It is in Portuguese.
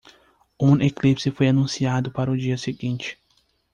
Um eclipse foi anunciado para o dia seguinte.